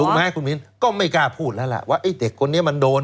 ไหมคุณมินก็ไม่กล้าพูดแล้วล่ะว่าไอ้เด็กคนนี้มันโดน